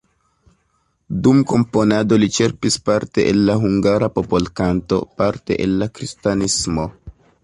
Dum komponado li ĉerpis parte el la hungara popolkanto, parte el la kristanismo.